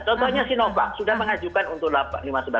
contohnya sinovac sudah mengajukan untuk lima belas enam belas tahun